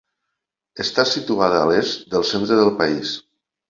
Està situada a l'est del centre del país.